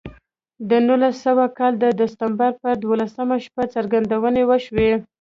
د نولس سوه کال د ډسمبر پر دولسمه شپه څرګندونې وشوې